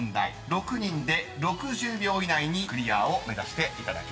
［６人で６０秒以内にクリアを目指していただきます］